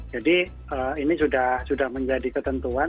jadi ini sudah menjadi ketentuan